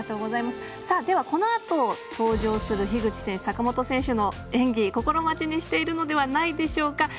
では、このあと登場する樋口選手、坂本選手の演技、心待ちにしているのではないでしょうか。